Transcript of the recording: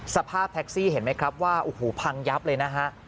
สภาพแท็กซี่เห็นไหมครับว่าโอ้โหพังยับเลยนะฮะ